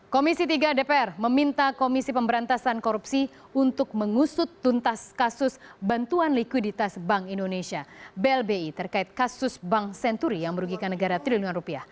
komisi tiga dpr meminta komisi pemberantasan korupsi untuk mengusut tuntas kasus bantuan likuiditas bank indonesia blbi terkait kasus bank senturi yang merugikan negara triliunan rupiah